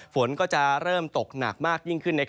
ฝนก็จะเริ่มตกหนักมากยิ่งขึ้น